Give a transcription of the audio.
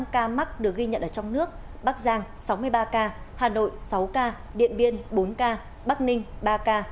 năm ca mắc được ghi nhận ở trong nước bắc giang sáu mươi ba ca hà nội sáu ca điện biên bốn ca bắc ninh ba ca